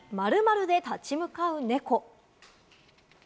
○○で立ち向かう猫。